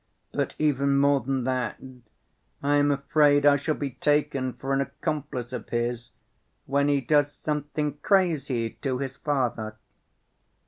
But even more than that, I am afraid I shall be taken for an accomplice of his when he does something crazy to his father."